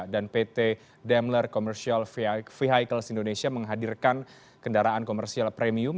dan pt daimler commercial vehicles indonesia menghadirkan kendaraan komersial premium